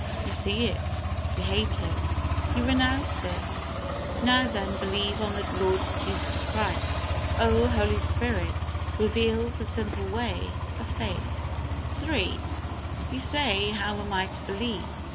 You see it. You hate it. You renounce it. Now then, believe on the Lord Jesus Christ. Oh, Holy Spirit, reveal the simple way of faith. III. You say, "How am I to believe?"